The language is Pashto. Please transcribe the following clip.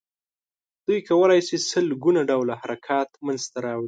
دوی کولای شي سل ګونه ډوله حرکت منځ ته راوړي.